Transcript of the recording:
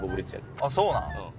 あっそうなん？